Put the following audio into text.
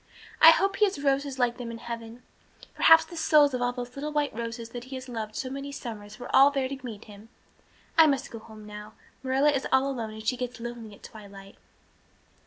I hope he has roses like them in heaven. Perhaps the souls of all those little white roses that he has loved so many summers were all there to meet him. I must go home now. Marilla is all alone and she gets lonely at twilight."